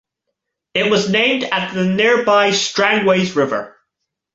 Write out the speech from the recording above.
It was named after the nearby Strangways River.